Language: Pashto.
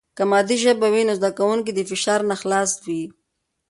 که مادي ژبه وي، نو زده کوونکي د فشار نه خلاص وي.